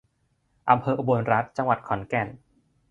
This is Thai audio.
อำเภออุบลรัตน์ จังหวัดขอนแก่น